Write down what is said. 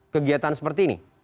kegiatan seperti ini